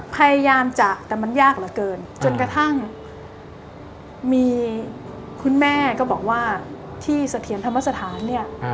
พยายามจะแต่มันยากเหลือเกินจนกระทั่งมีคุณแม่ก็บอกว่าที่เสถียรธรรมสถานเนี่ย